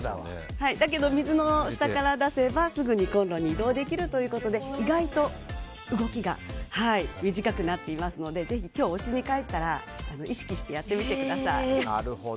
だけど水の下から出せばすぐにコンロに移動できるので意外と動きが短くなっていますのでぜひ、今日おうちに帰ったら意識してやってみてください。